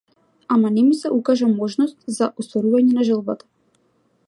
Ама не ми се укажа можност за остварување на желбата.